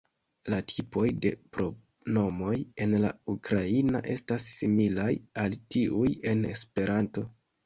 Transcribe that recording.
La tipoj de pronomoj en la ukraina estas similaj al tiuj en esperanto.